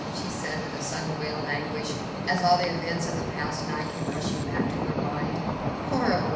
... she said, with a sudden wail of anguish, as all the events of the past night came rushing back to her mind, "horrible!